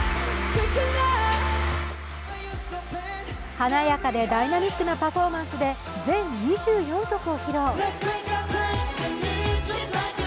華やかでダイナミックなパフォーマンスで全２４曲を披露。